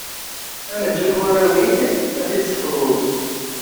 Amenzu deg warraw-ik, ad t-id-tefduḍ.